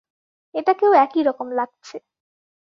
এটাকেও একই রকম লাগছে।